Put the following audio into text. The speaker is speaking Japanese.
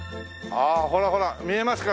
ああほらほら見えますか？